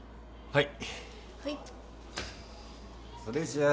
はい。